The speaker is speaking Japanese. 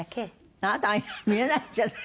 あなたが見えないんじゃない？